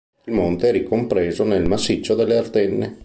Il monte è ricompreso nel massiccio delle Ardenne.